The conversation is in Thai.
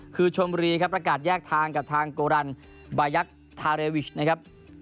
คือชมบุรีประกาศแยกทางกับทางกวารันบ๊ายักษ์ทารูย์์วิชนะครับ